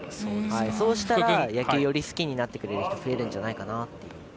そうしたら、野球をより好きになってくれる人が増えるんじゃないかなって。